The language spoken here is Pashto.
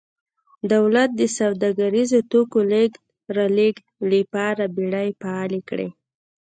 دولت د سوداګریزو توکو لېږد رالېږد لپاره بېړۍ فعالې کړې